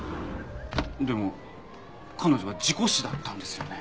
でも彼女は事故死だったんですよね？